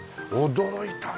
驚いたね！